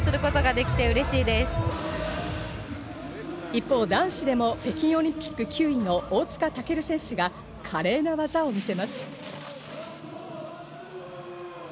一方、男子でも北京オリンピック９位の大塚健選手が華麗な技を見せます。